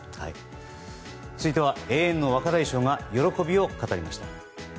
続いては永遠の若大将が喜びを語りました。